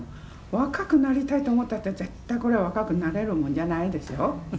若くなりたいと思ったって絶対これは若くなれるもんじゃないでしょ」